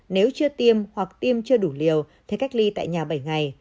nếu chưa tiêm hoặc tiêm chưa đủ liều thì cách ly tại nhà bảy ngày